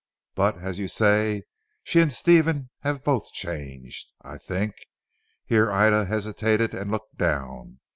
But as you say she and Stephen have both changed. I think," here Ida hesitated and looked down.